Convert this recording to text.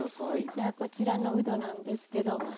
じゃあこちらのうどなんですけど。